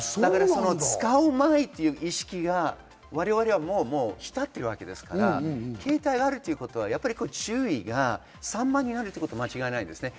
使うまいという意識が我々はもう浸っているわけですから、携帯があるということは注意が散漫になるということは間違いないです。